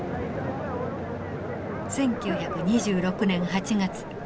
１９２６年８月。